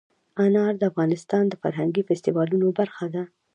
انار د افغانستان د فرهنګي فستیوالونو برخه ده.